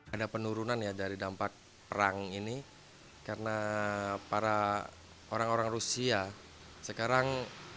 ada penurunan ya dari dampak perang ini karena para orang orang rusia sekarang